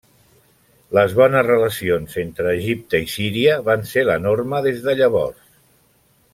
Les bones relacions entre Egipte i Síria van ser la norma des de llavors.